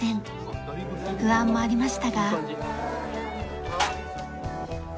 不安もありましたが。